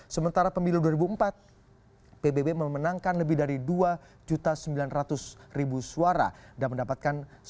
sementara pemilu dua ribu empat pbb memenangkan lebih dari dua sembilan juta ribu suara dan mendapatkan sebelas kursi di dpr